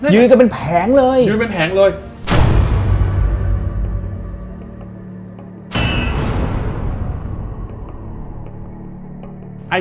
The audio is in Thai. ยืนเป็นแผงเลย